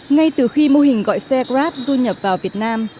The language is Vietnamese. ngay từ khi mô hình gọi xe grab du nhập vào việt nam